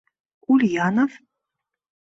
— Ульянов...